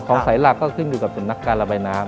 สายหลักก็ขึ้นอยู่กับสำนักการระบายน้ำ